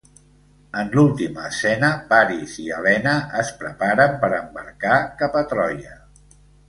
En l'última escena Paris i Elena es preparen per embarcar cap a Troia.